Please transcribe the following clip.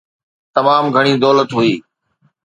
تمام گهڻي دولت هئي.